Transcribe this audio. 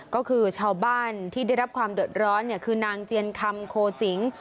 ก็คือชาวบ้านที่ได้รับความเดือดร้อนคือนางเจียนคำโคสิง